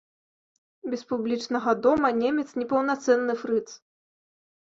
Без публічнага дома немец непаўнацэнны фрыц.